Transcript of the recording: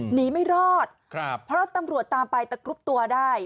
หนีไม่รอดครับเพราะตำรวจตามไปตะกรุบตัวได้